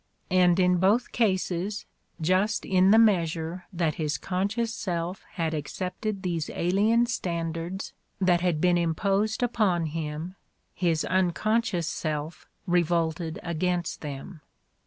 And in both cases, just in the measure that his conscious self had accepted these alien standards that had been imposed upon him, his unconscious self revolted against them.